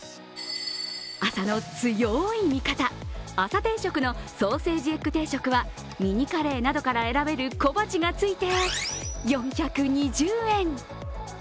朝の強い味方、朝定食のソーセージエッグ定食はミニカレーなどから選べる小鉢がついて４２０円。